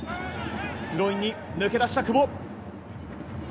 スローインに抜け出した、久保。